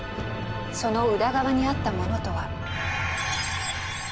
その裏側にあったものとは？